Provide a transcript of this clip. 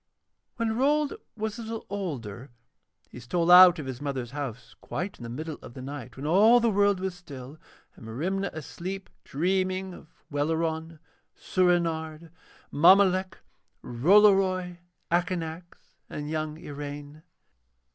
When Rold was a little older he stole out of his mother's house quite in the middle of the night when all the world was still, and Merimna asleep dreaming of Welleran, Soorenard, Mommolek, Rollory, Akanax, and young Iraine.